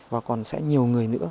và còn sẽ nhiều người nữa